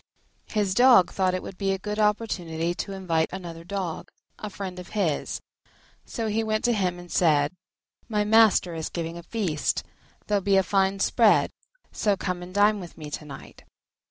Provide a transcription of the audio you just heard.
His dog thought it would be a good opportunity to invite another Dog, a friend of his; so he went to him and said, "My master is giving a feast: there'll be a fine spread, so come and dine with me to night."